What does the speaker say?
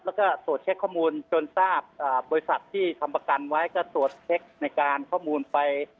แล้วก็ตรวจเช็คข้อมูลจนทราบบริษัทที่ทำประกันไว้ก็ตรวจเช็คในการข้อมูลไป